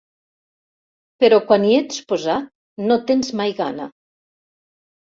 Però quan hi ets posat no tens mai gana.